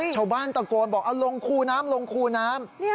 ชาวบ้านตะโกนบอกเอาลงคูน้ำ